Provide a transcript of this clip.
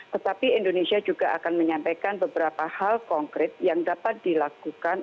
tetapi indonesia juga akan menyampaikan beberapa hal konkret yang dapat dilakukan